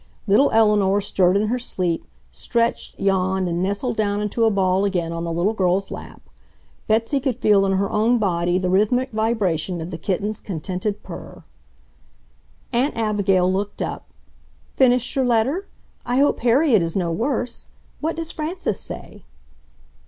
Little Eleanor stirred in her sleep, stretched, yawned, and nestled down into a ball again on the little girl's lap. Betsy could feel in her own body the rhythmic vibration of the kitten's contented purr. Aunt Abigail looked up: "Finished your letter? I hope Harriet is no worse. What does Frances say?"